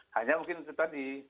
hanya mungkin itu tadi